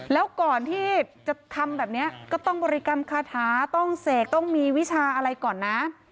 แล้วก่อนที่จะทำแบบนี้ก็ต้องบริกรรมคาถาต้องเสกต้องมีวิชาอะไรก่อนนะ